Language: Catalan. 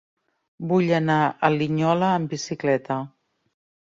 Vull anar a Linyola amb bicicleta.